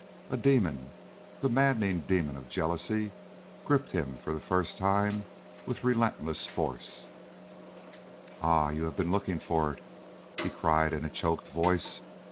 A demon the maddening demon of jealousy gripped him for the first time with relentless force. "Ah, you have been looking for it?" he cried in a choked voice.